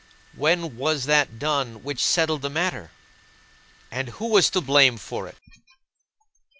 When was that done which settled the matter? And who was to blame for it?"